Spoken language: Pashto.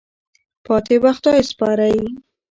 پاتې په خدای سپارئ.